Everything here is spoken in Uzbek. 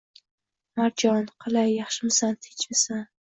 Marjon, qalay, yaxshimisan, tinchmisan